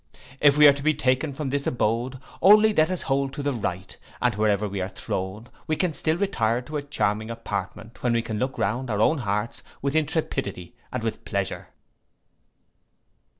If we are to be taken from this abode, only let us hold to the right, and wherever we are thrown, we can still retire to a charming apartment, when we can look round our own hearts with intrepidity and with pleasure!